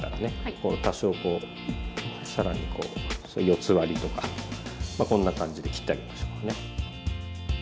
多少こうさらにこう四つ割りとかこんな感じで切ってあげましょうね。